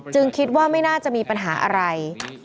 คิดว่าไม่น่าจะมีปัญหาอะไร